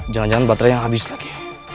jangan jangan baterai yang habis lagi